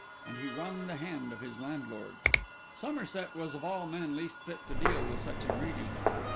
And he wrung the hand of his landlord. Somerset was, of all men, least fit to deal with such a greeting.